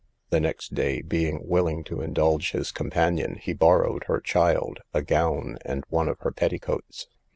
The next day, being willing to indulge his companion, he borrowed her child, a gown, and one of her petticoats.